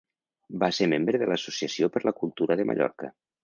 Va ser membre de l'Associació per la Cultura de Mallorca.